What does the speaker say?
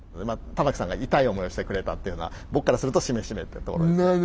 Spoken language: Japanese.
玉木さんが痛い思いをしてくれたっていうのは僕からするとしめしめってところですね。